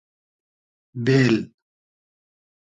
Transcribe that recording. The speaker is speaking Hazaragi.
بېل